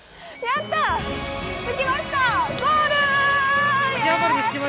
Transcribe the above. やった！